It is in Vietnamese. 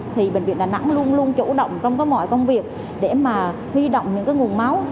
thì bệnh viện đà nẵng luôn luôn chủ động trong mọi công việc để huy động những nguồn máu